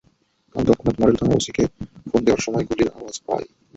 আমি তৎক্ষণাৎ মডেল থানার ওসিকে ফোন দেওয়ার সময় গুলির আওয়াজ শুনতে পাই।